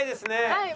はい。